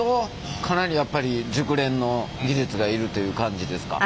かなりやっぱり熟練の技術がいるという感じですか？